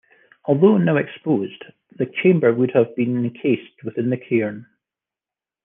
Although now exposed, the chamber would have been encased within the cairn.